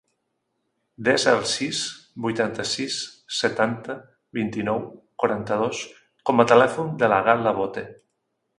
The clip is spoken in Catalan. Desa el sis, vuitanta-sis, setanta, vint-i-nou, quaranta-dos com a telèfon de la Gal·la Bote.